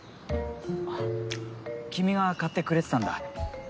あっ君が買ってくれてたんだ。